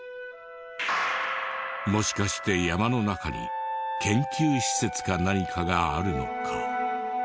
もしかして山の中に研究施設か何かがあるのか？